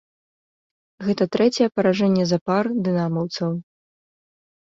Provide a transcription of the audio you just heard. Гэта трэцяе паражэнне запар дынамаўцаў.